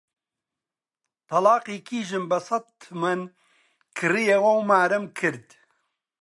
تەڵاقی کیژم بە سەد تمەن کڕیەوە و مارەم کرد